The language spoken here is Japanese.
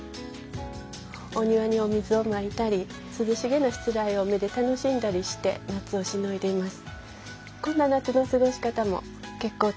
お庭にお水をまいたりすずしげなしつらえを目で楽しんだりして夏をしのいでいます。